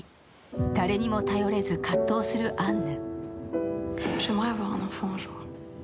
誰にも頼れず、葛藤するアンヌ。